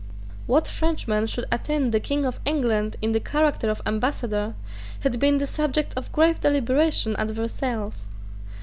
What Frenchman should attend the King of England in the character of ambassador had been the subject of grave deliberation at Versailles.